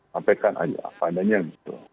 sampaikan aja apa adanya gitu